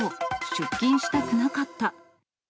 出勤したくなかった。